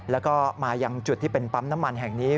แล้วก็มายังจุดที่เป็นปั๊มน้ำมันแห่งนี้